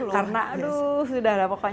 karena sudah pokoknya